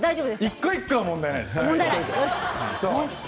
一個一個は問題ないです。